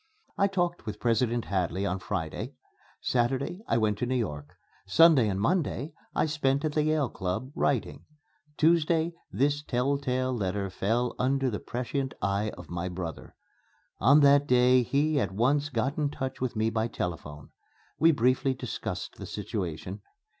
I talked with President Hadley on Friday; Saturday I went to New York; Sunday and Monday I spent at the Yale Club, writing; Tuesday, this telltale letter fell under the prescient eye of my brother. On that day he at once got in touch with me by telephone. We briefly discussed the situation.